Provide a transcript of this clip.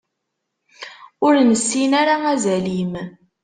Ur nessin ara azal-im.